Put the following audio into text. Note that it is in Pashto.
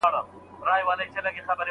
د خاوند دوستان پيغور ورکوي.